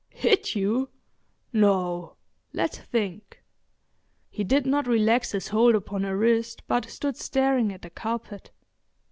"Hit you! No! Let's think." He did not relax his hold upon her wrist but stood staring at the carpet.